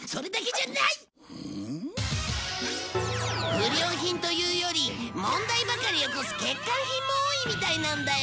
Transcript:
不良品というより問題ばかり起こす欠陥品も多いみたいなんだよ